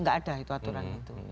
nggak ada itu aturan itu